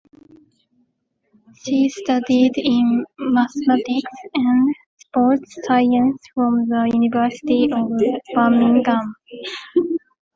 She studied in Mathematics and Sports Science from the University of Birmingham.